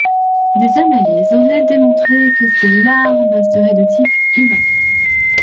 Des analyses auraient démontré que ces larmes seraient de type humain.